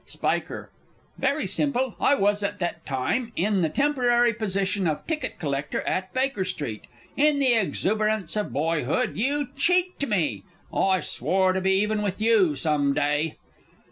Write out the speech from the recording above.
Spiker. Very simple. I was at that time in the temporary position of ticket collector at Baker Street. In the exuberance of boyhood, you cheeked me. I swore to be even with you some day.